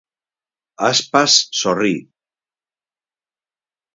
Aspas sorrí.